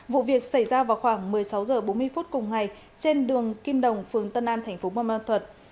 vụ việc xảy ra vào khoảng một mươi sáu h bốn mươi phút cùng ngày trên đường kim đồng phường tân an thành phố buôn ma thuật